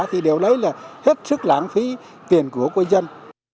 thì điều đấy là hết sức lãng phí tiền của quân dân